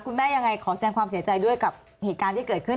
คุณแม่ยังไงขอแสดงความเสียใจด้วยกับเหตุการณ์ที่เกิดขึ้น